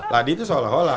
ladi itu seolah olah